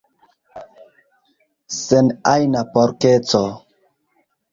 Sen ajna porkeco.